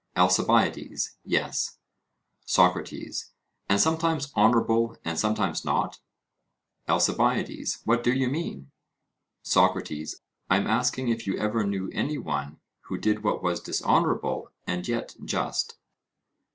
ALCIBIADES: Yes. SOCRATES: And sometimes honourable and sometimes not? ALCIBIADES: What do you mean? SOCRATES: I am asking if you ever knew any one who did what was dishonourable and yet just?